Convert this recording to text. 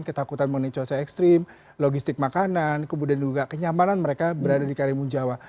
ketakutan mengenai cuaca ekstrim logistik makanan kemudian juga kenyamanan mereka berada di karimun jawa